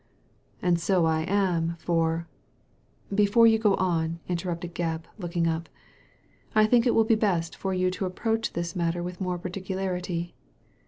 "And so I am, for " "Before you go on," interrupted Gebb, looking up, " I think it will be best for you to approach this matter with more particularity.